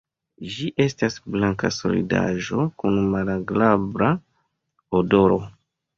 Ĝi estas blanka solidaĵo kun malagrabla odoro.